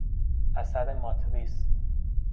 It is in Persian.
اثر ماتریس